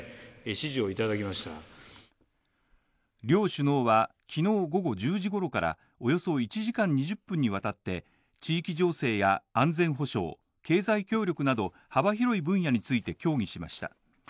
両首脳は、きのう午後１０時ごろからおよそ１時間２０分にわたって地域情勢や安全保障、経済協力など幅広い分野について協議しました。